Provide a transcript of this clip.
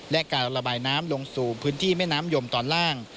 และการระบายน้ำลงสู่พื้นที่แม่น้ำยมตอนล่าง